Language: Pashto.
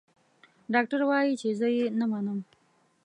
ډاکټر وايي چې زه يې نه منم.